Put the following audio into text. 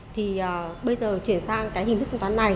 thì bây giờ chuyển sang cái hình thức thanh toán này